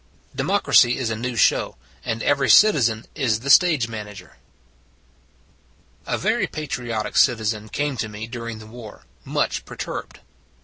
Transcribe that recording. DEMOCRACY IS A NEW SHOW, AND EVERY CITIZEN IS THE STAGE MANAGER A VERY patriotic citizen came to me during the war, much perturbed.